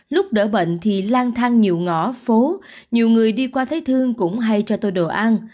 lúc đỡ bệnh thì lang thang nhiều ngõ phố nhiều người đi qua thấy thương cũng hay cho tôi đồ ăn